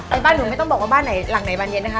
บ้านหนูไม่ต้องบอกว่าบ้านไหนหลังไหนบานเย็นนะคะ